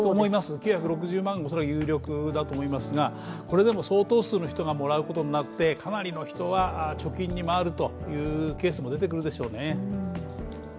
９６０万が有力だと思いますがこれでも相当数の人がもらうことになって、かなりの人は貯金に回るというケースも出てくるでしょうね。